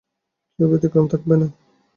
কেউ ব্যতিক্রম থাকবে না।